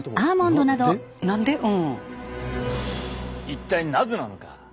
一体なぜなのか？